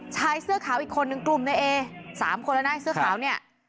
ชายเสื้อขาวอีกคนนึงกลุ่มในเอ๓คนแล้วนะเสื้อขาวเนี่ย